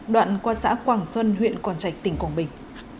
đoạn qua xã quảng xuân huyện quảng trạch tỉnh quảng bình